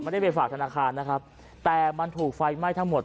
ได้ไปฝากธนาคารนะครับแต่มันถูกไฟไหม้ทั้งหมด